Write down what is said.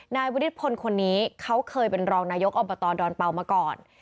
นายวิริพลคนนี้เขาเคยเป็นรองนายกอบตดอนเป่ามาก่อน